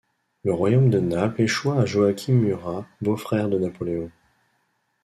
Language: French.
Le royaume de Naples échoit à Joachim Murat, beau-frère de Napoléon.